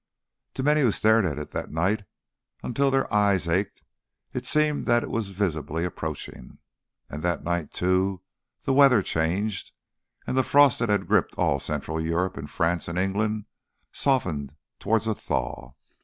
To many who stared at it that night until their eyes ached, it seemed that it was visibly approaching. And that night, too, the weather changed, and the frost that had gripped all Central Europe and France and England softened towards a thaw.